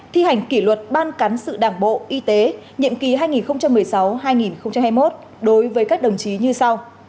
thi hành kỷ luật ban cán sự đảng bộ y tế nhiệm kỳ hai nghìn một mươi sáu hai nghìn hai mươi một đối với các đồng chí như sau